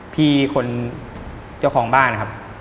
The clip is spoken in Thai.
พี่คนเจ้าของบ้านนะครับ